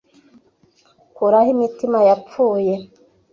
kuraho imitima yapfuye